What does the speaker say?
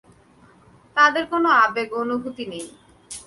তাদের কোন আবেগ-অনুভূতি নেই।